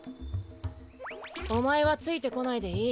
おまえはついてこないでいい。